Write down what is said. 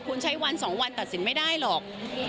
คุณใช้วัน๒วันตัดสินไม่ได้หรอก